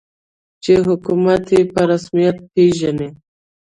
چې حکومت یې په رسمیت پېژني.